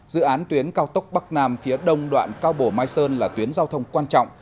dự án tuyến cao tốc bắc nam phía đông đoạn cao bổ mai sơn là tuyến giao thông quan trọng